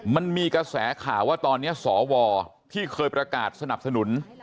มันมีกระแสข่าวว่าตอนนี้สวที่เคยประกาศสนับสนุน